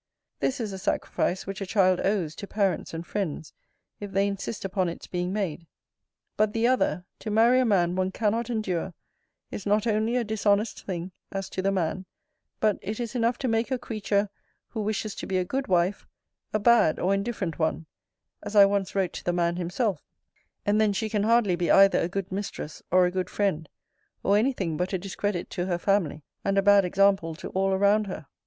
This is a sacrifice which a child owes to parents and friends, if they insist upon its being made. But the other, to marry a man one cannot endure, is not only a dishonest thing, as to the man; but it is enough to make a creature who wishes to be a good wife, a bad or indifferent one, as I once wrote to the man himself: and then she can hardly be either a good mistress, or a good friend; or any thing but a discredit to her family, and a bad example to all around her.